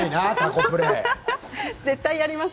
絶対やります。